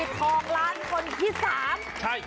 โอ้โหผู้โชคดีทองร้านคนที่๓